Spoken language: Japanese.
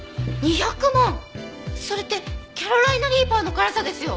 それってキャロライナ・リーパーの辛さですよ！